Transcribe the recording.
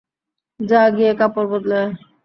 যা গিয়ে কাপড় বদলে আয়।